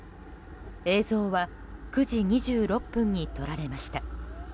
映像は９時２６分に撮られました。